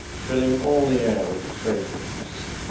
Filling all the air with fragrance!